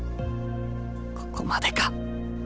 ここまでか？